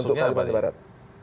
s satu untuk kalimantan barat